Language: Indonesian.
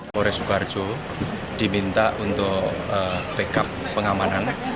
kapolres sukoharjo diminta untuk backup pengamanan